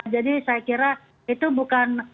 jadi saya kira itu bukan